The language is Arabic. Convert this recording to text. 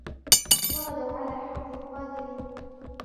وَغَدَوْا عَلَى حَرْدٍ قَادِرِينَ